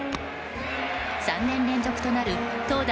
３年連続となる投打